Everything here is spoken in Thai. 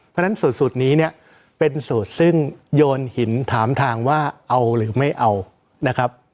เพราะฉะนั้นสูตรนี้เนี่ยเป็นสูตรซึ่งโยนหินถามทางว่าเอาหรือไม่เอานะครับ